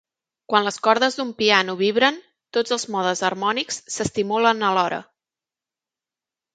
Quan les cordes d'un piano vibren, tots els modes harmònics s'estimulen a l'hora.